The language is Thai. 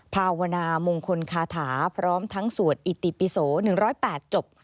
ภาวนามงคลคาถาพร้อมทั้งสวดอิติปิโส๑๐๘จบ